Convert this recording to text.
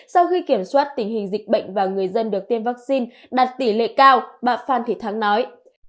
sau khi kiểm soát tình hình dịch bệnh và người dân được tiêm vaccine đạt tỷ lệ cao bà phan thị thắng nói